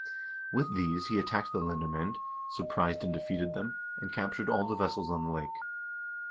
With these he attacked the lendermcend, surprised and defeated them, and captured all the vessels on the lake.